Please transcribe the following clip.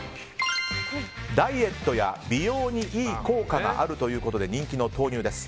ダイエットや美容にいい効果があるということで人気の豆乳です。